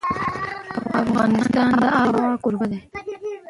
افغانستان د آب وهوا کوربه دی.